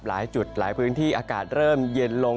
หลายจุดหลายพื้นที่อากาศเริ่มเย็นลง